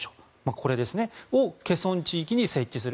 これですねケソン地域に設置する。